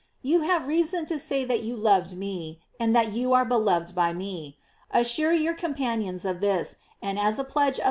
You had reason to say that you loved me, and that you are beloved by me. Assure your companions of this, and as a pledge of the * P. Tausc. de SS.